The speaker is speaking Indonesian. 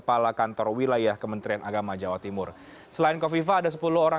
passion di nyara kita